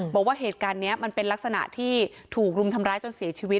บอกว่าเหตุการณ์นี้มันเป็นลักษณะที่ถูกรุมทำร้ายจนเสียชีวิต